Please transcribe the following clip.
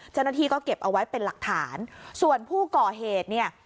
เจ้าหน้าที่ก็เก็บเอาไว้เป็นหลักฐานส่วนผู้ก่อเหตุเนี่ย